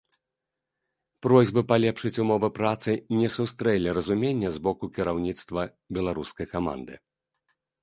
Просьбы палепшыць умовы працы не сустрэлі разумення з боку кіраўніцтва беларускай каманды.